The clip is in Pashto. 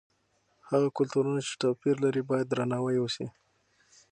هغه کلتورونه چې توپیر لري باید درناوی یې وسي.